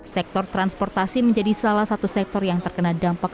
sektor transportasi menjadi salah satu sektor yang terkena dampak